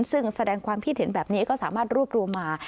ซึ่งแสดงความคิดเห็นแบบนี้ก็สามารถรวบรวมมา